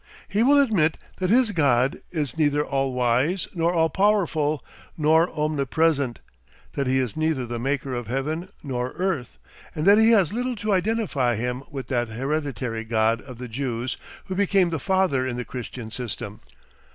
He will admit that his God is neither all wise, nor all powerful, nor omnipresent; that he is neither the maker of heaven nor earth, and that he has little to identify him with that hereditary God of the Jews who became the "Father" in the Christian system.